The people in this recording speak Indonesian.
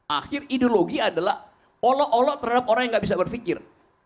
akhir ideologi adalah olo olo terhadap orang yang enggak bisa berpikir